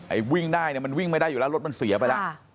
วิ่งได้เนี่ยมันวิ่งไม่ได้อยู่แล้วรถมันเสียไปแล้ว